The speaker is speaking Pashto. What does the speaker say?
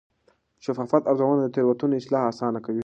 شفاف ارزونه د تېروتنو اصلاح اسانه کوي.